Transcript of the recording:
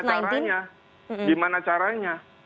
bagaimana caranya bagaimana caranya